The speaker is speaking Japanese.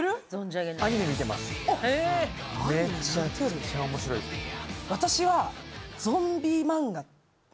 めっちゃ面白いですね。